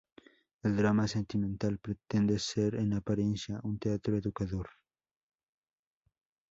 El drama sentimental pretende ser, en apariencia, un teatro educador.